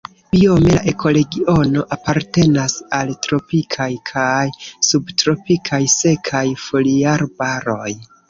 Biome la ekoregiono apartenas al tropikaj kaj subtropikaj sekaj foliarbaroj.